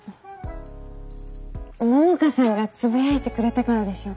桃香さんがつぶやいてくれたからでしょうか？